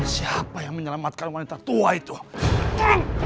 siapa yang menyelamatkan wanita tersebut